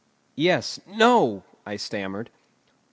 "Yes; no!" I stammered.